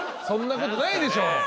そんなことないでしょ。